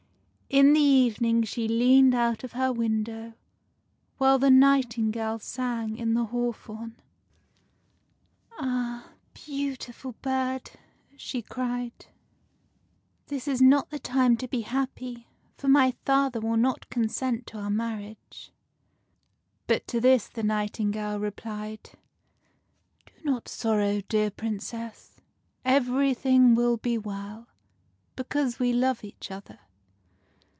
In the evening she leaned out of her window, while the nightingale sang in the hawthorn. 33 34 THE FAIRY SPINNING WHEEL "Ah! beautiful bird," she cried, "this is not the time to be happy; for my father will not consent to our marriage." But to this the nightingale replied, —" Do not sorrow, dear Princess : everything will be well, because we love each other."